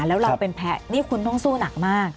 แล้วเราเป็นแพ้นี่คุณต้องสู้หนักมาก